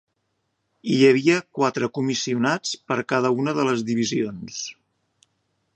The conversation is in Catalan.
Hi havia quatre comissionats per cada una de les divisions.